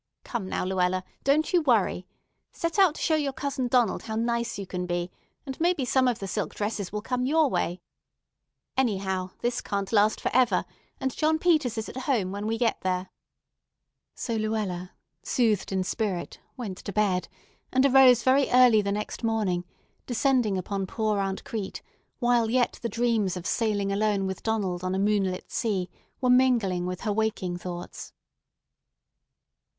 Come now, Luella, don't you worry. Set out to show your cousin Donald how nice you can be, and maybe some of the silk dresses will come your way. Anyhow, this can't last forever, and John Peters is at home when we get there." So Luella, soothed in spirit, went to bed, and arose very early the next morning, descending upon poor Aunt Crete while yet the dreams of sailing alone with Donald on a moonlit sea were mingling with her waking thoughts.